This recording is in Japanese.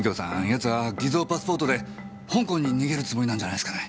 奴は偽造パスポートで香港に逃げるつもりなんじゃないすかね？